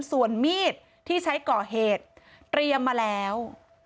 ส่วนมีดที่ใช้ก่อเหตุเตรียมมาแล้ว